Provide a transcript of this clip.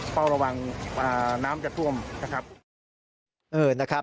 เฝ้าระวังน้ำจะท่วมนะครับ